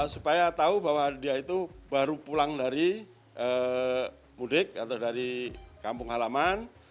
supaya tahu bahwa dia itu baru pulang dari mudik atau dari kampung halaman